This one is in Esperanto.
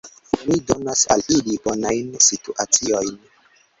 Oni donas al ili bonajn situaciojn?